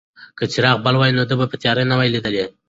که څراغ بل وای نو ده به تیاره نه وای لیدلې.